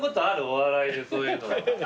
お笑いでそういうの。